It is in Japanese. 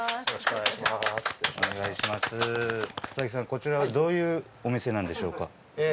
こちらはどういうお店なんでしょうか？